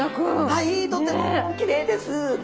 はいとってもきれいですね！